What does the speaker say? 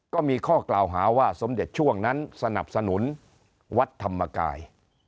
ก็มีข้อกล่าวหาว่าสมเด็จช่วงนั้นสนับสนุนวัดธรรมกาย